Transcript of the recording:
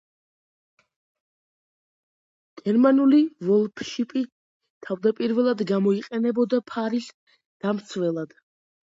გერმანული ვოლფშპიცი თავდაპირველად გამოიყენებოდა ფარის დამცველად.